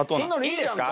いいですか？